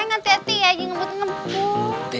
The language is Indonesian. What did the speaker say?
hai ngati ati ya jangan ngebut ngebutku